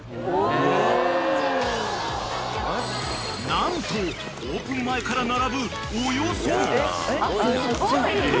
［何とオープン前から並ぶおよそ］